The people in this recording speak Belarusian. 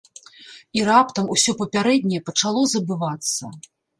І раптам усё папярэдняе пачало забывацца.